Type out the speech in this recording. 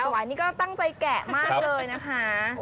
หวานนี่ก็ตั้งใจแกะมากเลยนะคะ